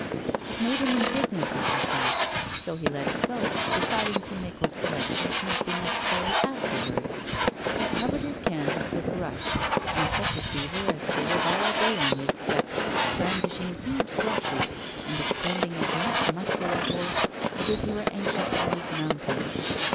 It made him indignant with himself. So he let it go, deciding to make what corrections might be necessary afterwards. He covered his canvas with a rush in such a fever as to live all day on his steps, brandishing huge brushes, and expending as much muscular force as if he were anxious to move mountains.